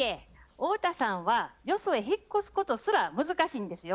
太田さんはよそへ引っ越すことすら難しいんですよ。